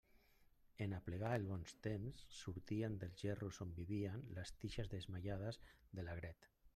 En aplegar el bon temps, sortien dels gerros on vivien les tiges desmaiades de l'agret.